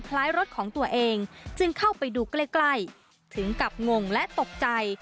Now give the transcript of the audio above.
รถของตัวเองจึงเข้าไปดูใกล้ใกล้ถึงกับงงและตกใจ